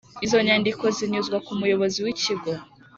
Izo nyandiko zinyuzwa ku muyobozi w ikigo